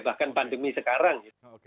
bahkan pandemi sekarang